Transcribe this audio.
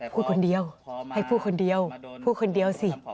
พูดคนเดียวให้พูดคนเดียวพูดคนเดียวสิ